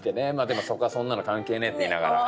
でもそこは「そんなの関係ねぇ」って言いながら。